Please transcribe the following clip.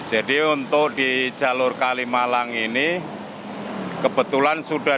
jadi untuk di jalur kalimalang ini kebetulan sudah di